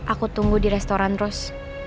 aku tunggu di restoran terus